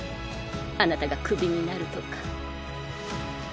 あなたがクビになるとか。